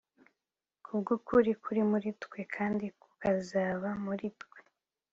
ku bw ukuri kuri muri twe kandi kukazaba muri twe